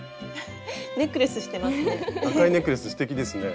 ネックレスしてますね。